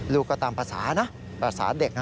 ลูกก็ตามภาษานะภาษาเด็กนะ